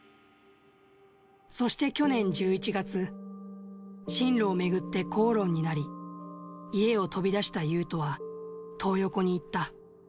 そして去年１１月、進路を巡って口論になり、家を飛び出したユウトは、トー横に行った。